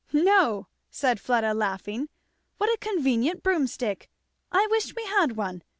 "No," said Fleda laughing. "What a convenient broomstick! I wish we had one.